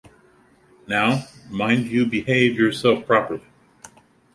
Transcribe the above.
Now, mind you behave yourself properly.